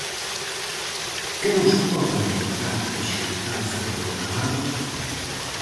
Que nos pode adiantar da xuntanza programada?